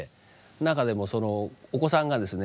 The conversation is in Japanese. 中でもお子さんがですね